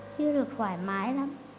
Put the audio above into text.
chưa được thoải mái lắm